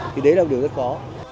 thì đấy là điều rất khó